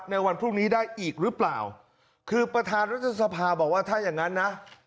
ในวันพรุ่งนี้ได้อีกหรือเปล่าคือประธานรัฐสภาบอกว่าถ้าอย่างงั้นนะ